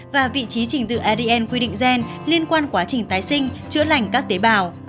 và vị trí trình tự adn quy định gen liên quan quá trình tái sinh chữa lành các tế bào